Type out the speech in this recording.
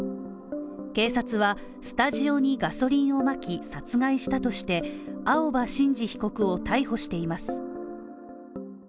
警察は、スタジオにガソリンをまき、殺害したとして、青葉真司被告を逮捕しています。